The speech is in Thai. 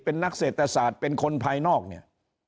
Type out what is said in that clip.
เป็นนักเศรษฐศาสตร์เป็นคนภายนอกเนี่ย